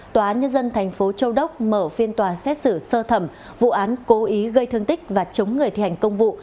tòa nhân dân thành phố châu đốc mở phiên tòa xét xử sơ thẩm vụ án cố ý gây thương tích và chống người thi hành công vụ